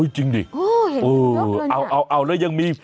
จริงดิโอ้เห็นเสือกเลยนะเอาแล้วยังมี